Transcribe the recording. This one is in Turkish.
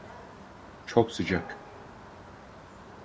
Çok sıcak.